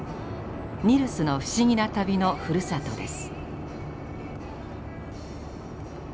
「ニルスのふしぎな旅」のふるさとです。